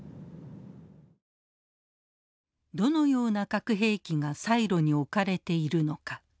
どのような核兵器がサイロに置かれているのか。